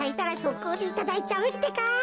こうでいただいちゃうってか！